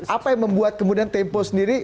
apa yang membuat kemudian tempo sendiri